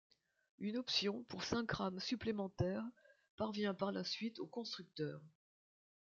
Une option pour cinq rames supplémentaires parvient par la suite au constructeur.